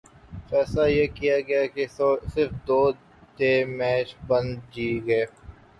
فیصلہ یہ کیا گیا کہہ صرف دو ڈے میٹھ بن ج گے